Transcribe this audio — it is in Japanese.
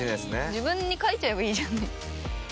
自分に描いちゃえばいいじゃんね。